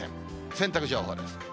洗濯情報です。